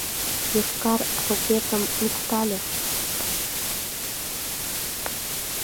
Йошкар рокетым луктале.